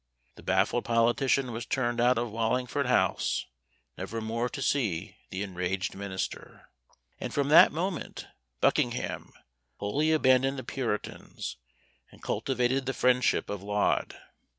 The baffled politician was turned out of Wallingford House, never more to see the enraged minister! And from that moment Buckingham wholly abandoned the puritans, and cultivated the friendship of Laud.